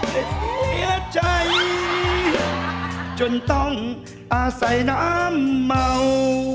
เสียใจจนต้องอาศัยหน้าเม่า